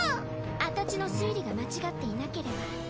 あたちの推理が間違っていなければ。